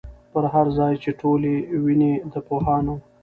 پر هر ځای چي ټولۍ وینی د پوهانو